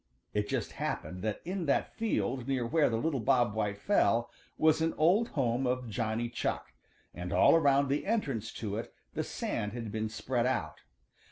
It just happened that in that field near where the little Bob White fell was an old home of Johnny Chuck, and all around the entrance to it the sand had been spread out.